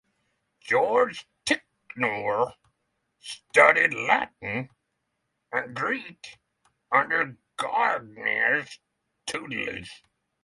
George Ticknor studied Latin and Greek under Gardiner's tutelage.